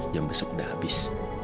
jam besok udah habis